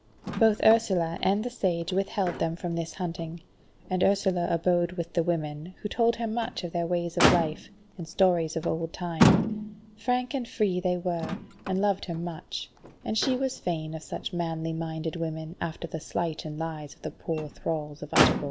Both Ursula and the Sage withheld them from this hunting, and Ursula abode with the women, who told her much of their ways of life, and stories of old time; frank and free they were, and loved her much, and she was fain of such manly minded women after the sleight and lies of the poor thralls of Utterbol.